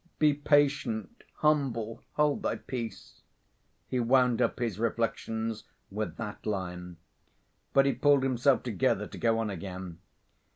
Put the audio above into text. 'Be patient, humble, hold thy peace.' " He wound up his reflections with that line. But he pulled himself together to go on again.